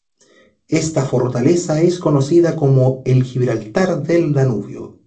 Esta fortaleza es conocida como el "Gibraltar del Danubio".